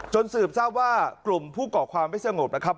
สืบทราบว่ากลุ่มผู้ก่อความไม่สงบนะครับ